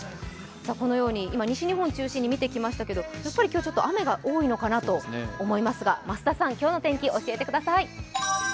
このように今、西日本を中心に見てきましたけれども今日ちょっと雨が多いのかなと思いますが増田さん、今日の天気教えてください。